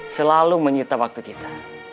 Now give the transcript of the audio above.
selalu menyita waktu kita